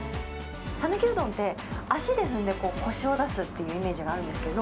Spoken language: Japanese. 讃岐うどんって、足で踏んでこしを出すっていうイメージがあるんですけど。